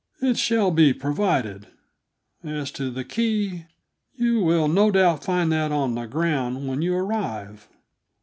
"It shall be provided. As to the key, you will no doubt find that on the ground when you arrive."